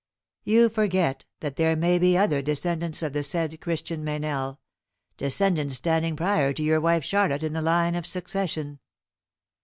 You forget that there may be other descendants of the said Christian Meynell descendants standing prior to your wife Charlotte in the line of succession."